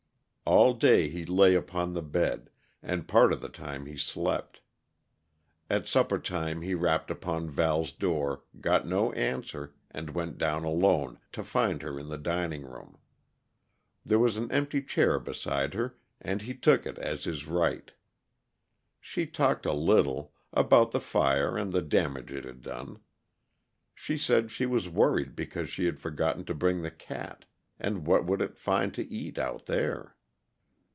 All day he lay upon the bed, and part of the time he slept. At supper time he rapped upon Val's door, got no answer, and went down alone, to find her in the dining room. There was an empty chair beside her, and he took it as his right. She talked a little about the fire and the damage it had done. She said she was worried because she had forgotten to bring the cat, and what would it find to eat out there?